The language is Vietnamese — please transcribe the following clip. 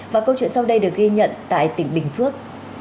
và câu chuyện sau đây được ghi nhận tại tỉnh bình phước